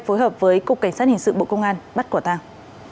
phối hợp với cục cảnh sát hình sự bộ công an bắt quả tàng